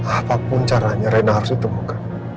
apapun caranya reina harus ditemukan